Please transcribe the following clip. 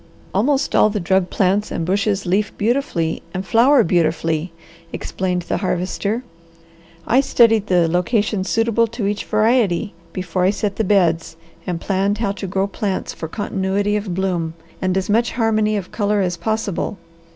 "Almost all the drug plants and bushes leaf beautifully and flower brilliantly," explained the Harvester. "I studied the location suitable to each variety before I set the beds and planned how to grow plants for continuity of bloom, and as much harmony of colour as possible.